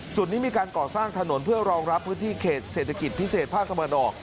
จุดนี้มีการก่อสร้างถนนเพื่อรองรับพื้นที่เขตเศรษฐกิจพิเศษภาคตะวันออก